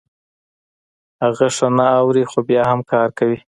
هغه ښه نه اوري خو بيا هم کار کوي.